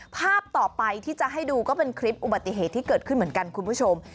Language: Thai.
ภาพต่อไปที่จะให้ดูก็เป็นคลิปอุบัติเหตุที่เกิดขึ้นเหมือนกันคุณผู้ชม